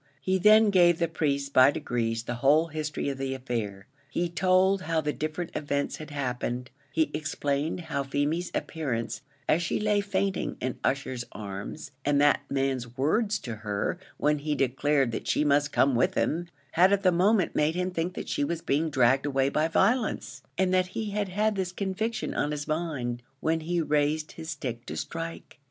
He then gave the priest, by degrees, the whole history of the affair; he told how the different events had happened; he explained how Feemy's appearance as she lay fainting in Ussher's arms, and that man's words to her, when he declared that she must come with him, had at the moment made him think that she was being dragged away by violence; and that he had had this conviction on his mind when he raised his stick to strike.